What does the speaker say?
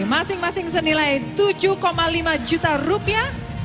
masing masing senilai tujuh lima juta rupiah